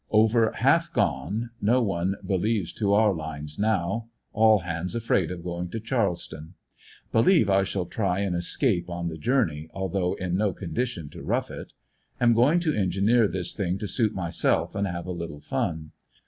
Over half gone — no one believes to our lines now; all hands afraid of going to Charleston, Believe I shall try and escape on the journey, although in no condition to rough it. Am going to engineer this thing to suit myself and have a little fun.